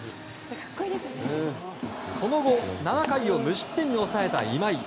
その後７回を無失点に抑えた今井。